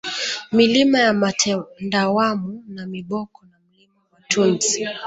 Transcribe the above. Milima ya Matemdawanu Namiboko na Mlima Matundsi